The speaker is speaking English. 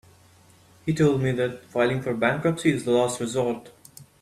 He told me that filing for bankruptcy is the last resort.